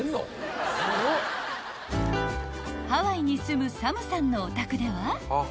［ハワイに住むサムさんのお宅では］